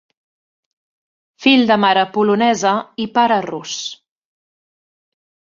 Fill de mare polonesa i pare rus.